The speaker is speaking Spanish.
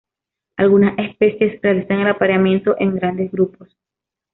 Algunas especies realizan el apareamiento en grandes grupos.